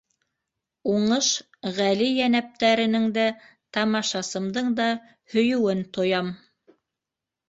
Уңыш ғәли йәнәптәренең дә, тамашасымдың да һөйөүен тоям.